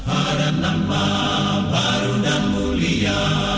ada nama baru dan mulia